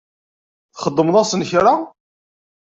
Txedmeḍ-asen kra?